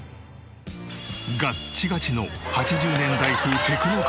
ガッチガチの８０年代風テクノカットに。